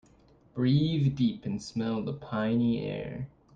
Breathe deep and smell the piny air.